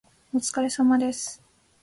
お疲れ様です。